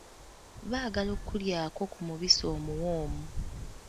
Baagala okulyako ku mubisi omuwoomu.